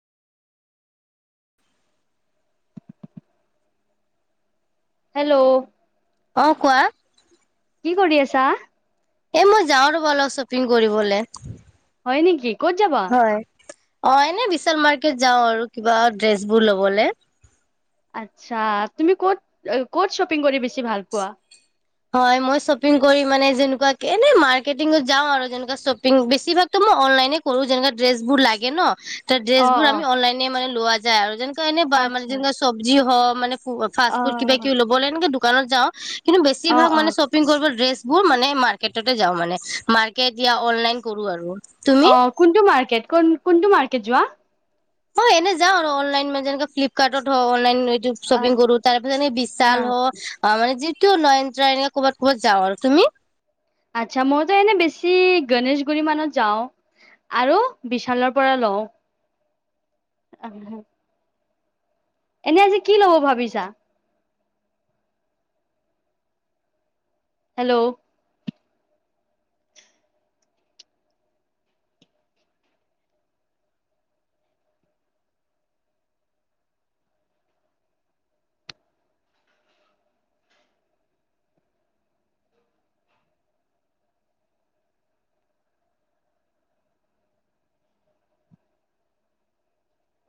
Hello. অ কোৱা। কি কৰি আছা? এ মই যাওঁ ৰবা অলপ শ্বপিং কৰিবলৈ হয় নেকি? ক'ত যাবা? অ এনে বিশাল মাৰ্কেট যাও আৰু কিবা ড্ৰেচ বোৰ লবলে। আচ্ছা তুমি ক'ত ক'ত শ্বপিং কৰি বেছি ভাল পোৱা। হয় মই শ্বপিং কৰি মানে যেনেকুৱা এনে মাৰ্কটিঙত যাও আৰু যেনেকুৱা শ্বপিং বেছিভাগতো মই অনলাইনে কৰো যেনেকুৱা ড্ৰেছবোৰ লাগে ন। এ অ ড্ৰেছবোৰ অ আমি অনলাইনে মানে লোৱা যায় আৰু যেন সে কাৰণে বা মানে আচ্ছা যেনেকুৱা চবজি হওক। মানে অ ফাষ্টফুড কিবা কিবি ল'বলে দোকানত যাওঁ কিন্তু অ বেছিভাগ অ মানে শ্বপিং কৰিব ড্ৰেছ বোৰ মানে মাৰ্কেটতে যাও মানে মাৰ্কেট য়া অনলাইন কৰো আৰু। তুমি অ কোনটো মাৰ্কেট? কোনটো মাৰ্কেট যোৱা? মই এনে যাওঁ আৰু অনলাইন মান যেনেকে ফ্লিপকাৰ্টত হও অনলাইন শ্বপিং কৰো তাৰপত যেনে আচ্ছা বিশাল হওক মানে য ক মিন্ট্ৰা এনেকা ক'ৰবাত ক'ৰবাত যাওঁ আৰু তুমি? আচ্ছা মইতো এনে বেছি গণেশগুৰি মানত যাওঁ আৰু বিশালৰ পৰা লও। এনে আজি কি লব ভাবিছা? হেল্ল'।